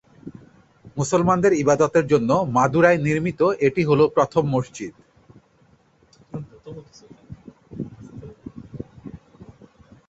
মুসলমানদের ইবাদতের জন্য মাদুরায় নির্মিত এটি হল প্রথম মসজিদ।